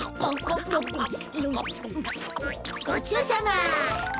ごちそうさま！